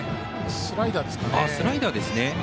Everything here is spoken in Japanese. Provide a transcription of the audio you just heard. スライダーですかね。